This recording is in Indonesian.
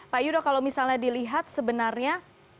pak yudo kalau misalnya dilihat sebenarnya